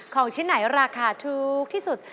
ของชิ้นไหนราคาถูกที่สุด